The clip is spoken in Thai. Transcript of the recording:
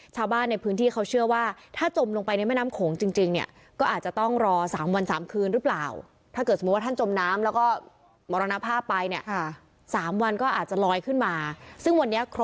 ชาวบ้านในพื้นที่เขาเชื่อว่าถ้าจมลงไปในแม่น้ำโขงจริง